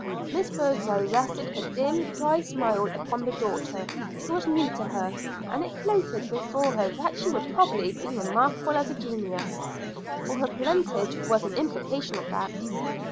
Miss Birdseye rested her dim, dry smile upon the daughter, who was new to her, and it floated before her that she would probably be remarkable as a genius; her parentage was an implication of that.